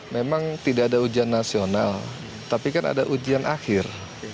memang tidak ada ujian nasional tapi kan ada ujian akhir